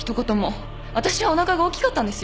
私はおなかが大きかったんですよ？